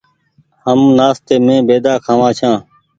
هم نآستي مين بيدآ کآوآن ڇآن ۔